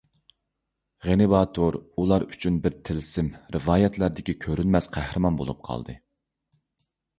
غېنى باتۇر ئۇلار ئۈچۈن بىر تىلسىم، رىۋايەتلەردىكى كۆرۈنمەس قەھرىمان بولۇپ قالدى.